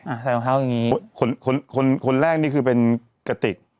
ใส่รองเท้าอย่างงี้คนคนแรกนี่คือเป็นกติก